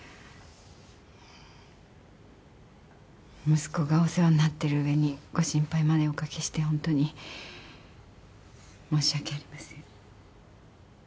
息子がお世話になってる上にご心配までおかけしてホントに申し訳ありません。